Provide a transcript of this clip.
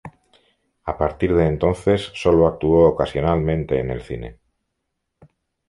A partir de entonces solo actuó ocasionalmente en el cine.